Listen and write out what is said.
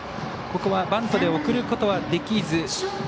ここはバントで送ることはできず。